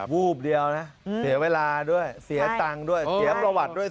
วูบเดียวนะเสียเวลาด้วยเสียตังค์ด้วยเสียประวัติด้วย